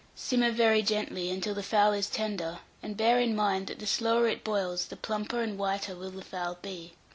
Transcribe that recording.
Simmer very gently until the fowl is tender, and bear in mind that the slower it boils, the plumper and whiter will the fowl be.